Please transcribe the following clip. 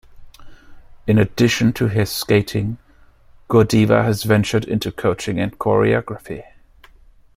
In addition to her skating, Gordeeva has ventured into coaching and choreography.